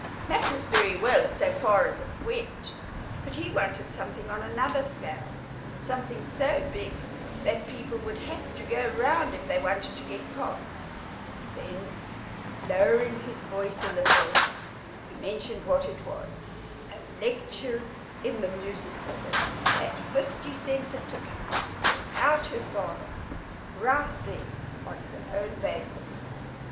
That was very well so far as it went, but he wanted something on another scale, something so big that people would have to go round if they wanted to get past. Then lowering his voice a little, he mentioned what it was: a lecture in the Music Hall, at fifty cents a ticket, without her father, right there on her own basis.